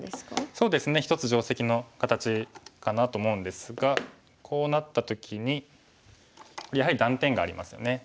そうですね一つ定石の形かなと思うんですがこうなった時にやはり断点がありますよね。